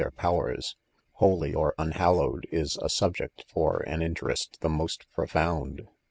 their powers, Iioly or unhallowed, is a subject for an in terest the most profound.